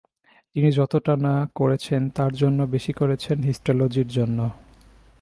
তিনি যতটা না করেছেন, তার থেকে বেশি করেছেন হিস্টোলজির জন্য।